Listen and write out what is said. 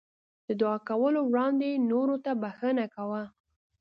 د دعا کولو وړاندې نورو ته بښنه کوه.